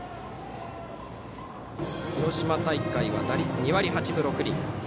広島大会は打率２割８分６厘。